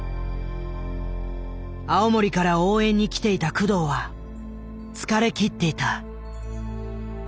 青森から応援に来ていた工藤は疲れ切っていた。